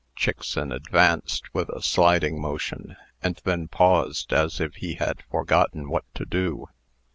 Chickson advanced with a sliding motion, and then paused, as if he had forgotten what to do.